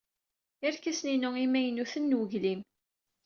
Irkasen-inu imaynuten n weglim.